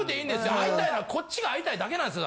会いたいのはこっちが会いたいだけなんですよ。